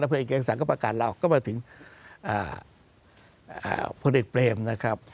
แล้วพลเอกเกียงศักดิ์ก็ประกาศเล่าก็มาถึงพลเอกเปรมนะครับ